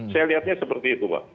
saya lihatnya seperti itu pak